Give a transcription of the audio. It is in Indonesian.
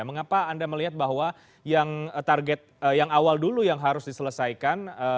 mengapa anda melihat bahwa yang target yang awal dulu yang harus diselesaikan